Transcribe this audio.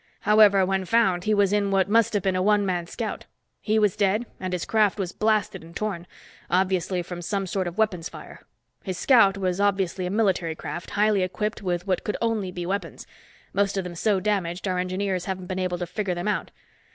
"However, when found he was in what must have been a one man scout. He was dead and his craft was blasted and torn—obviously from some sort of weapons' fire. His scout was obviously a military craft, highly equipped with what could only be weapons, most of them so damaged our engineers haven't been able to figure them out.